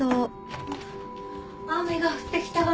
雨が降ってきたわね